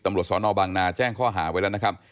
ตำรวจสอนอบางนาแจ้งข้อหาไว้แล้วนะครับ